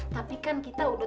tapi kan kita udah